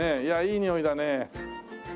いやいいにおいだね。